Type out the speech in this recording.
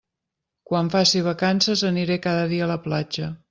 Quan faci vacances aniré cada dia a la platja.